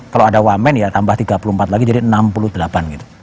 kalau ada wamen ya tambah tiga puluh empat lagi jadi enam puluh delapan gitu